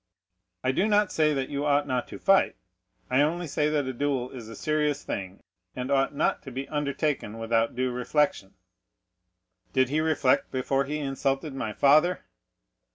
"I do not say that you ought not to fight, I only say that a duel is a serious thing, and ought not to be undertaken without due reflection." "Did he reflect before he insulted my father?"